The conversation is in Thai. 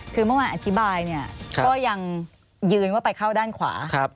คือเมื่อวานอธิบายเนี่ยก็ยังยืนว่าไปเข้าด้านขวา